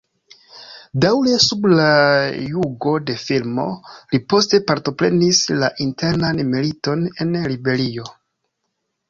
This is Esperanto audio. Daŭre sub la jugo de Firmo, li poste partoprenis la internan militon en Liberio.